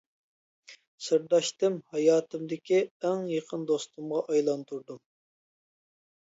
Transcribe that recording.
سىرداشتىم ھاياتىمدىكى ئەڭ يېقىن دوستۇمغا ئايلاندۇردۇم.